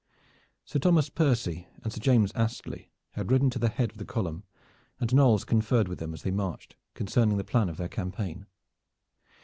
Sir Thomas Percy and Sir James Astley had ridden to the head of the column, and Knolles conferred with them as they marched concerning the plan of their campaign.